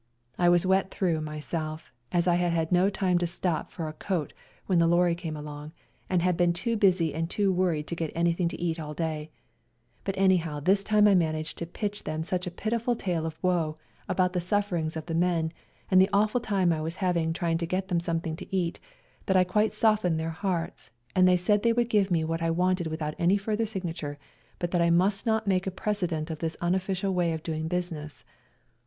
I was wet through myself, as I had had no time to stop for a coat 210 WE GO TO CORFU when the lorry came along, and had been too busy and too worried to get anything to eat all day, but anyhow this time I managed to pitch them such a pitiful tale of woe about the sufferings of the men, and the awful time I was having trying to get them something to eat, that I quite softened their hearts, and they said they would give me what I wanted without any further signature, but that I must not make a precedent of this unofficial way of doing business.